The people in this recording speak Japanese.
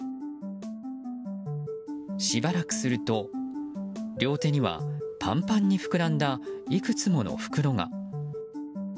しばらくすると、両手にはパンパンに膨らんだいくつもの袋が。